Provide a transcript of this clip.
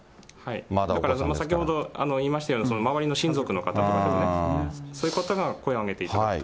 だから先ほど言いましたように、周りの親族の方ですとかですね、そういう方が声を上げていただくと。